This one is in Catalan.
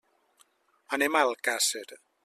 Anem a Alcàsser.